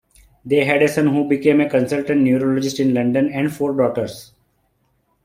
They had a son who became a consultant neurologist in London and four daughters.